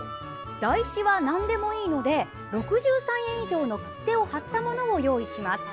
台紙はなんでもいいので６３円以上の切手を貼ったものを用意します。